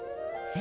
え